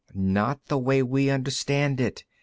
"Not the way we understand it.